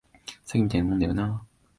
詐欺みたいなもんだよな